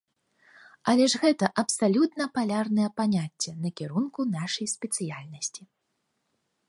Але ж гэта абсалютна палярнае паняцце накірунку нашай спецыяльнасці!